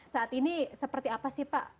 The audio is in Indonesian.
saat ini seperti apa sih pak